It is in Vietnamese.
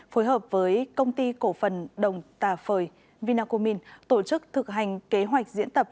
phối hợp với công ty cổ phần đồng tà phời vinacomin tổ chức thực hành kế hoạch diễn tập